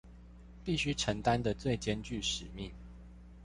必須承擔的最艱鉅使命